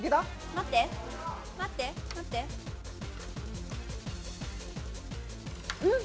待って待って待ってうん？